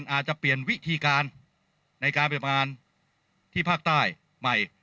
อาจจะเปลี่ยนวิธีการในการเปลี่ยนงานที่ภาคใต้ใหม่